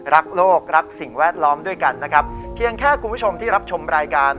รักโลกรักสิ่งแวดล้อมด้วยกันนะครับเพียงแค่คุณผู้ชมที่รับชมรายการ